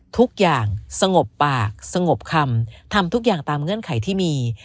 ทุกอย่างสงบปากสงบคำทำทุกอย่างตามเงื่อนไขที่มี